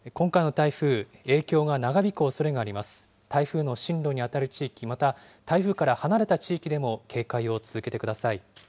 台風の進路にあたる地域、また台風から離れた地域でも警戒を続けてください。